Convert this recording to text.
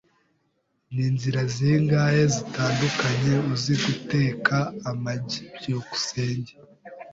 Ni inzira zingahe zitandukanye uzi guteka amagi? byukusenge